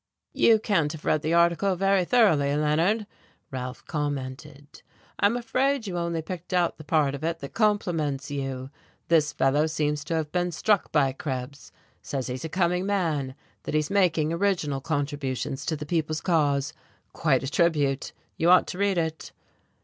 "You can't have read the article very thoroughly, Leonard," Ralph commented. "I'm afraid you only picked out the part of it that compliments you. This fellow seems to have been struck by Krebs, says he's a coming man, that he's making original contributions to the people's cause. Quite a tribute. You ought to read it."